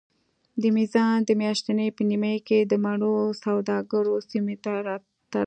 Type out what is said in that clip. د میزان د میاشتې په نیمایي کې د مڼو سوداګر سیمې ته راغلل.